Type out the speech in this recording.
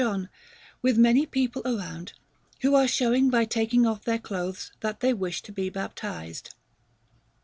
John, with many people around, who are showing by taking off their clothes that they wish to be baptized.